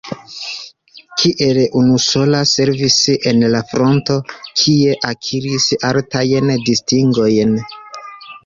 Kiel unusola servis en la fronto, kie akiris altajn distingojn.